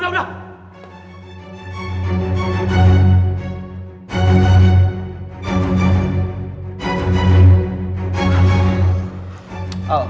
udah udah udah